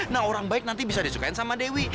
nah orang baik nanti bisa disukain sama dewi